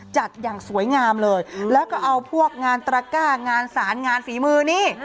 อย่างสวยงามเลยแล้วก็เอาพวกงานตระก้างานสารงานฝีมือนี่